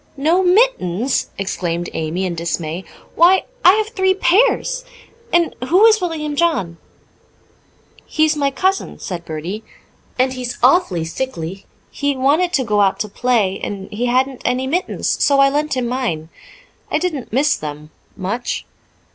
"No mittens!" exclaimed Amy in dismay. "Why, I have three pairs. And who is William John?" "He is my cousin," said Bertie. "And he's awful sickly. He wanted to go out to play, and he hadn't any mittens, so I lent him mine. I didn't miss them much."